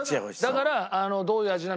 だから。